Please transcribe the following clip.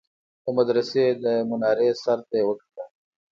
د مدرسې د مينارې سر ته يې وكتل.